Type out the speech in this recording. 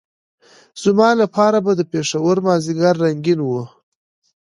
زما لپاره به د پېښور مازدیګر رنګین وو.